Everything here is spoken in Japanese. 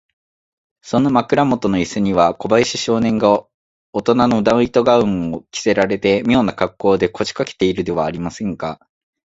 その枕もとのイスには、小林少年がおとなのナイト・ガウンを着せられて、みょうなかっこうで、こしかけているではありませんか。